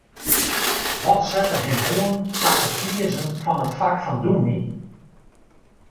Wat sette him oan ta it kiezen fan it fak fan dûmny?